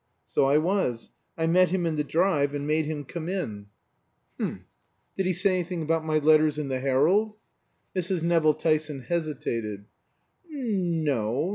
"So I was. I met him in the drive and made him come in." "H'm. Did he say anything about my letters in the Herald?" Mrs. Nevill Tyson hesitated. "N no.